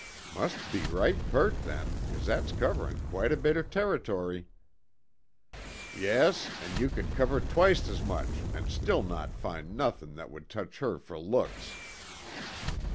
"Must be right pert then, cause that's coverin' quite a bit of territory." "Yes, an' you could cover twict as much an' still not find nothin' that would touch her fer looks."